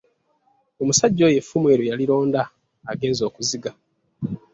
Omusajja oyo effumu eryo yalironda agenze okuziga.